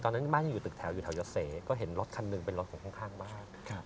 ตอนนั้นบ้านจะอยู่ตึกแถวอยู่แถวยอเซก็เห็นรถคันนึงเป็นรถของข้างแบบ